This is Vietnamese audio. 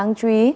đáng chú ý